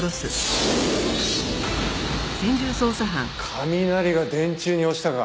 雷が電柱に落ちたか。